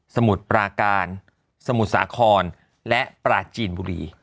มุดปราการสมุทรสาครและปราจีนบุรี